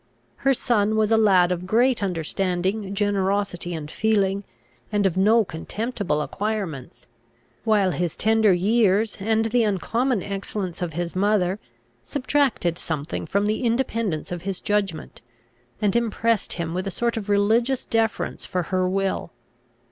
Her son was a lad of great understanding, generosity, and feeling, and of no contemptible acquirements; while his tender years, and the uncommon excellence of his mother, subtracted something from the independence of his judgment, and impressed him with a sort of religious deference for her will.